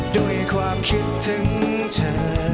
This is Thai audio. ด้วยความคิดถึงเธอ